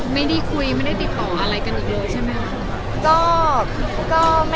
ไม่ได้คุยไม่ได้ติดต่ออะไรกันอีกเลยใช่ไหมคะ